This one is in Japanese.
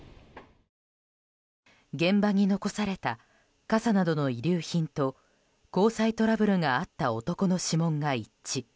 現場に残された傘などの遺留品と交際トラブルがあった男の指紋が一致。